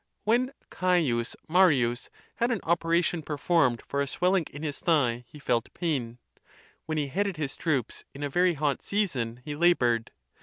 When Caius Marius had an operation performed for a swelling in his thigh, he felt pain; when he headed his troops in a very hot season, he labored.